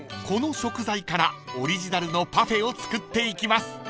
［この食材からオリジナルのパフェを作っていきます］